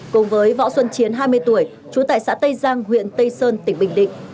cùng với võ xuân chiến hai mươi tuổi trú tại xã tây giang huyện tây sơn tỉnh bình định